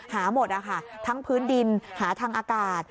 หาหมดทั้งพื้นดินหาทางอากาศ